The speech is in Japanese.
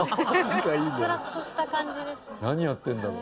何やってるんだろう？